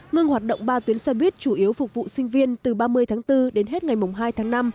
ngừng hoạt động ba tuyến xe buýt chủ yếu phục vụ sinh viên từ ba mươi tháng bốn đến hết ngày hai tháng năm